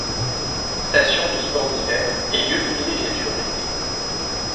Station de sports d'hiver et lieu de villégiature l'été.